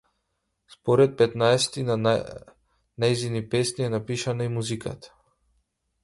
Според петнаесетина нејзини песни е напишана и музика.